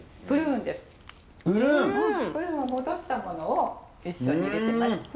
プルーンを戻したものを一緒に入れてます。